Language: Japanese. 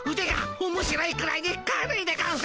おもしろいくらいに軽いでゴンス。